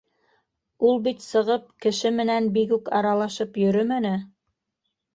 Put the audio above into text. Ул бит сығып, кеше менән бигүк аралашып йөрөмәне.